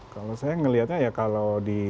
kalau saya melihatnya ya kalau di